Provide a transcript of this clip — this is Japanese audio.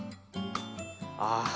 ああ！